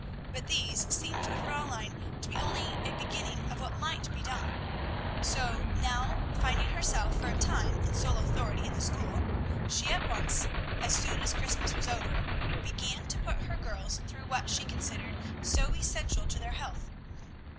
But these seemed to the Fräulein to be only a beginning of what might be done; so, now, finding herself for a time in sole authority in the school, she at once, as soon as Christmas was over, began to put her girls through what she considered so essential to their health.